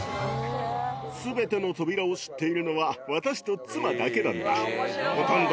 すべての扉を知っているのは私と妻だけなんだ。